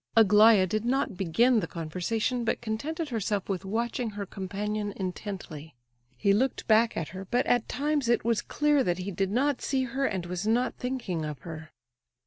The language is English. Aglaya did not begin the conversation, but contented herself with watching her companion intently. He looked back at her, but at times it was clear that he did not see her and was not thinking of her.